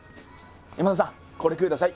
山田さんこれください。